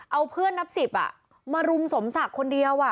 เอาเพื่อนนับ๑๐มารุมสมศักดิ์คนเดียว